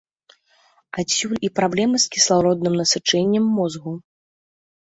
Адсюль і праблемы з кіслародным насычэннем мозгу.